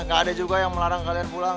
gak ada juga yang melarang kalian pulang